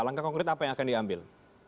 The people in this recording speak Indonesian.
langkah konkret apa yang akan diambil